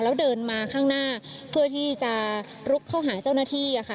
แล้วเดินมาข้างหน้าเพื่อที่จะลุกเข้าหาเจ้าหน้าที่ค่ะ